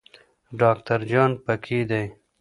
ډاکټر جان پکې دی.